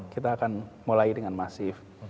kita akan mulai dengan masif